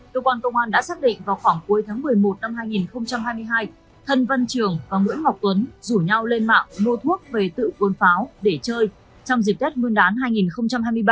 cơ quan công an đã xác định vào khoảng cuối tháng một mươi một năm hai nghìn hai mươi hai thân văn trường và nguyễn ngọc tuấn rủ nhau lên mạng mua thuốc về tự cuốn pháo để chơi trong dịp tết nguyên đán hai nghìn hai mươi ba